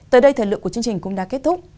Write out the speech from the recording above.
tới đây thời lượng của chương trình cũng đã kết thúc